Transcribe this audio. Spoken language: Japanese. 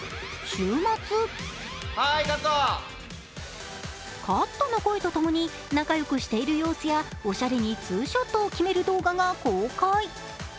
週末、カットの声と共に仲良くしている様子やおしゃれにツーショットを決める動画が公開。